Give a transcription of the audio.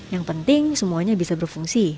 yang penting semuanya bisa berfungsi